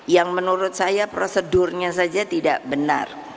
yang menurut saya prosedurnya saja tidak benar